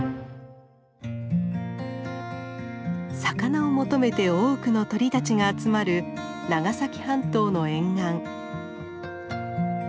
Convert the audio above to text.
魚を求めて多くの鳥たちが集まる長崎半島の沿岸。